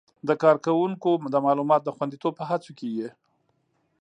د کاروونکو د معلوماتو د خوندیتوب په هڅو کې یې